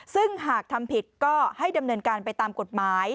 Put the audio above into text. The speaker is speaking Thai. ซึ่งหากทำผิดก็ให้ดำเนินการไปตามกฎหมาย